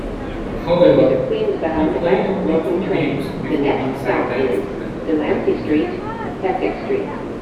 However, he played only two games before being sidelined with a groin injury.